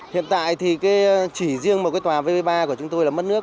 hiện tại thì chỉ riêng một cái tòa vb ba của chúng tôi là mất nước